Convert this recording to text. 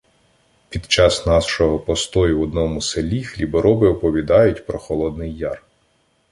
Під час нашого постою в одному селі хлібороби оповідають про Холодний Яр.